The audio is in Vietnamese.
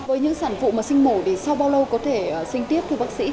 với những sản phụ mà sinh mổ thì sau bao lâu có thể sinh tiếp theo bác sĩ